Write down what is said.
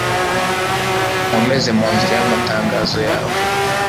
Unkomeze mu nzira y’amatangazo yawe